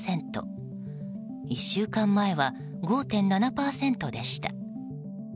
１週間前は５．７％でした。